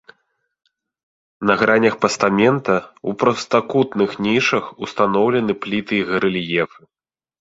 На гранях пастамента ў прастакутных нішах устаноўлены пліты і гарэльефы.